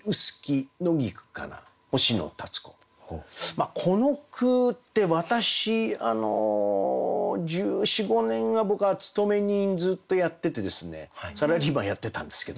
まあこの句って私１４１５年は僕は勤め人ずっとやっててですねサラリーマンやってたんですけど。